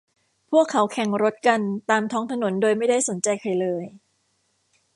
พวกเขาแข่งรถกันตามท้องถนนโดยไม่ได้สนใจใครเลย